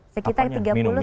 sekitar tiga puluh saat